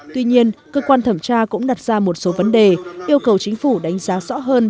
tuy nhiên cơ quan thẩm tra cũng đặt ra một số vấn đề yêu cầu chính phủ đánh giá rõ hơn